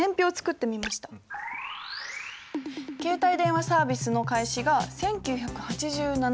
携帯電話サービスの開始が１９８７年。